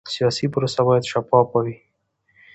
سیاسي پروسه باید شفافه وي